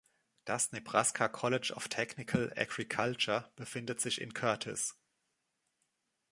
Das Nebraska College of Technical Agriculture befindet sich in Curtis.